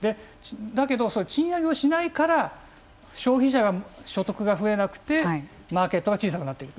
だけど賃上げをしないから消費者が所得が増えなくてマーケットが小さくなっていく。